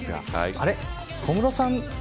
あれ、小室さん